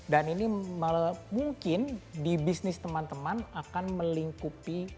dan ini mungkin di bisnis teman teman akan melingkar